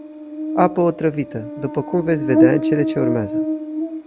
Apă otrăvită, după cum veți vedea în cele ce urmează.